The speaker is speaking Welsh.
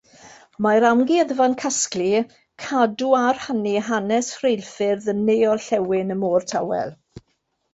Mae'r amgueddfa'n casglu, cadw a rhannu hanes rheilffyrdd yn Ne-orllewin y Môr Tawel.